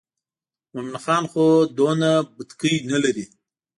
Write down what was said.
مومن خان خو دومره بتکۍ نه لري.